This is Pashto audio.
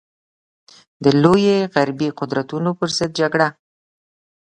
د لویو غربي قدرتونو پر ضد جګړه.